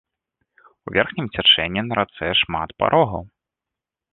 У верхнім цячэнні на рацэ шмат парогаў.